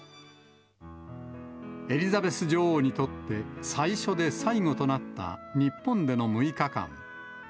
エリザベス女王にとって、最初で最後となった日本での６日間。